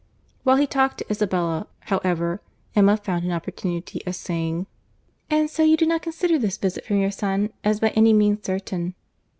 While he talked to Isabella, however, Emma found an opportunity of saying, "And so you do not consider this visit from your son as by any means certain.